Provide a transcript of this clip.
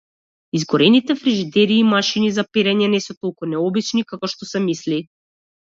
Изгорените фрижидери и машини за перење не се толку необични како што се мисли.